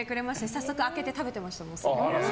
早速開けて食べてました。